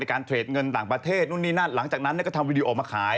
การเทรดเงินต่างประเทศนู่นนี่นั่นหลังจากนั้นก็ทำวิดีโอมาขาย